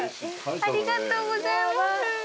ありがとうございます。